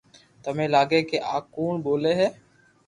ٿني لاگي ڪي آ ڪوڻ ٻولي ھي